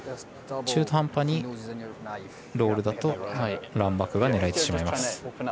中途半端にロールだとランバックが狙えてしまいます。